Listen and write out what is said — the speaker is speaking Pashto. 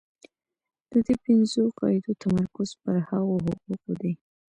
د دې پنځو قاعدو تمرکز پر هغو حقوقو دی.